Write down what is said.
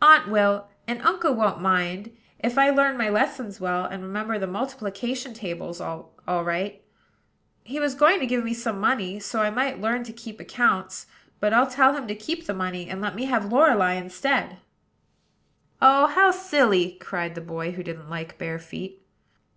"Aunt will; and Uncle won't mind, if I learn my lessons well, and remember the multiplication table all right. He was going to give me some money, so I might learn to keep accounts; but I'll tell him to keep the money, and let me have Lorelei instead." "Oh, how silly!" cried the boy who didn't like bare feet.